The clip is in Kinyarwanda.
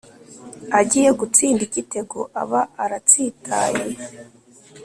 agiye gutsinda igitego aba aratsitaye.